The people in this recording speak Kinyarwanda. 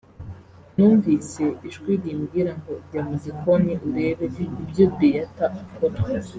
numvise ijwi rimbwira ngo jya mu gikoni urebe ibyo Beatha akora